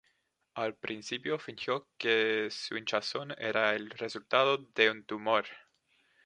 Al principio fingió que su hinchazón era el resultado de un tumor.